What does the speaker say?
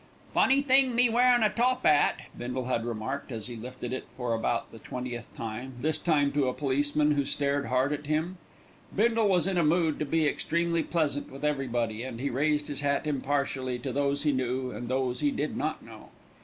"Funny thing me wearin' a top 'at," Bindle had remarked, as he lifted it for about the twentieth time, this time to a policeman, who stared hard at him. Bindle was in a mood to be extremely pleasant with everybody, and he raised his hat impartially to those he knew and those he did not know.